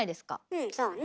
うんそうね。